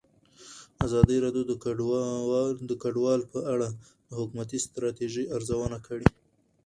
ازادي راډیو د کډوال په اړه د حکومتي ستراتیژۍ ارزونه کړې.